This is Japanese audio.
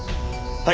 はい。